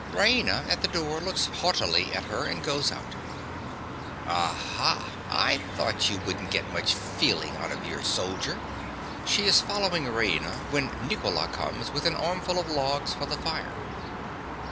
(Raina, at the door, looks haughtily at her and goes out.) Aha! I thought you wouldn't get much feeling out of your soldier. (_She is following Raina when Nicola enters with an armful of logs for the fire.